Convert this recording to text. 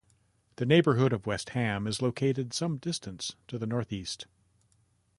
The neighbourhood of West Ham is located some distance to the north-east.